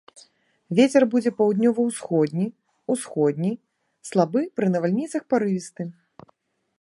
Вецер будзе паўднёва-ўсходні, усходні, слабы, пры навальніцах парывісты.